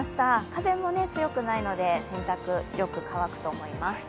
風も強くないので、洗濯、よく乾くと思います。